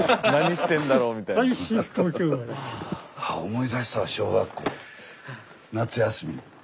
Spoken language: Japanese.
思い出したわ小学校夏休み。